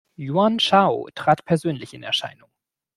Yuan Shao trat persönlich in Erscheinung.